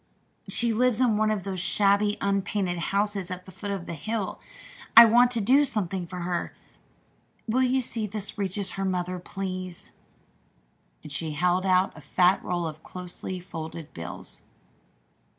She lives in one of those shabby, unpainted houses at the foot of the hill. I want to do something for her. Will you see that this reaches her mother, please?" And she held out a fat roll of closely folded bills.